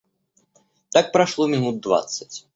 Так прошло минут двадцать.